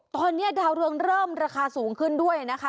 ตอนนี้ดาวเรืองเริ่มราคาสูงขึ้นด้วยนะคะ